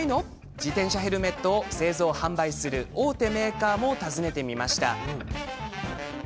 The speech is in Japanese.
自転車ヘルメットを製造販売する大手メーカーも訪ねてみました。